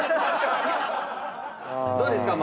どうですか？